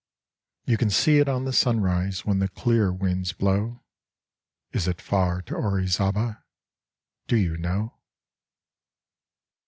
You can see it on the sunrise When the clear winds blow. Is it far to Orizaba, Do you know?